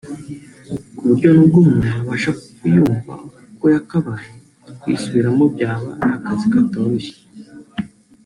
kuburyo n’ubwo umuntu yabasha kuyumva uko yakabaye kuyisubiramo byaba ari akazi katoroshye